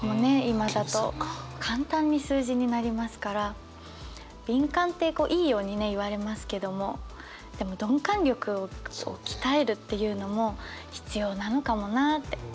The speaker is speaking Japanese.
今だと簡単に数字になりますから敏感っていいように言われますけどもでも鈍感力を鍛えるっていうのも必要なのかもなって。